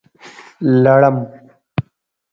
🦂 لړم